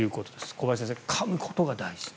小林先生、かむことが大事。